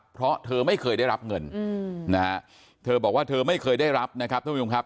เพราะเธอไม่เคยได้รับเงินนะฮะเธอบอกว่าเธอไม่เคยได้รับนะครับท่านผู้ชมครับ